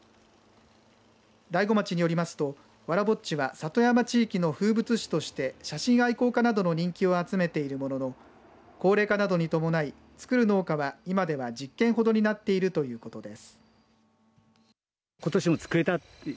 大子町によりますとわらぼっちは里山地域の風物詩として写真愛好家などの人気を集めているものの高齢化などに伴い作る農家は今では１０軒ほどになっているということです。